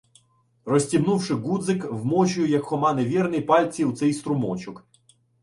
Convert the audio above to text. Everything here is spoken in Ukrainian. Розстібнувши гудзик, вмочую, як Хома невірний, пальці в цей струмочок.